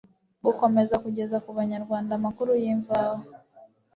gukomeza kugeza ku banyarwanda amakuru y'imvaho